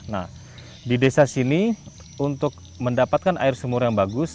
nah di desa sini untuk mendapatkan air sumur yang bagus